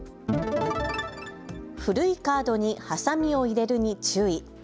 古いカードにハサミを入れるに注意。